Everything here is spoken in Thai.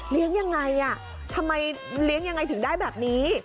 ยังไงทำไมเลี้ยงยังไงถึงได้แบบนี้